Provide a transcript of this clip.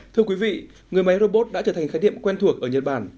thưa quý vị người máy robot đã trở thành khái niệm quen thuộc ở nhật bản